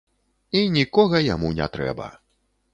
І нікога яму не трэба.